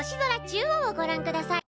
中央をごらんください。